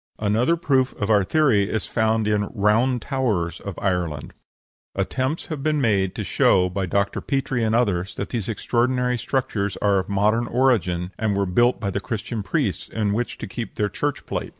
Another proof of our theory is found in "the round towers" of Ireland. Attempts have been made to show, by Dr. Petrie and others, that these extraordinary structures are of modern origin, and were built by the Christian priests, in which to keep their church plate.